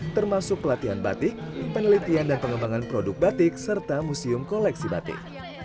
termasuk pelatihan batik penelitian dan pengembangan produk batik serta museum koleksi batik